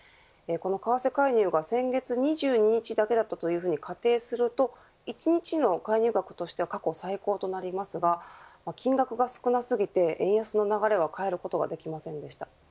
この為替介入が先月２２日だけだったと仮定すると１日の介入額としては過去最高となりますが金額が少なすぎて円安の流れを変えることができませんでした。